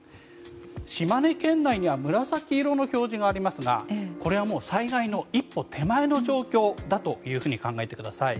島根県内には紫色の表示がありますがこれはもう災害の一歩手前の状況だと考えてください。